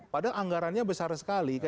padahal anggarannya besar sekali